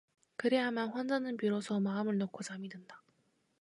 그래야만 환자는 비로소 마음을 놓고 잠이 든다.